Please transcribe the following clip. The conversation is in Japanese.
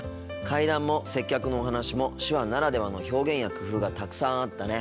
怪談も接客のお話も手話ならではの表現や工夫がたくさんあったね。